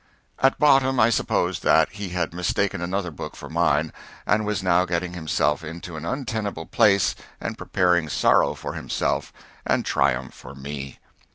At bottom I supposed that he had mistaken another book for mine, and was now getting himself into an untenable place and preparing sorrow for himself and triumph for me.